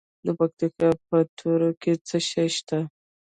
د پکتیکا په تروو کې څه شی شته؟